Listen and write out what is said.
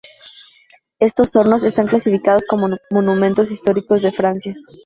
Estos hornos están clasificados como monumento histórico de Francia.